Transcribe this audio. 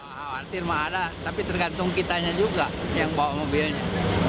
awan awan tirma ada tapi tergantung kitanya juga yang bawa mobilnya